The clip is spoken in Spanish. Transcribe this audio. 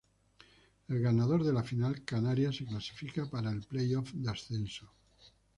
El ganador de la final canaria se clasifica para el playoff de ascenso.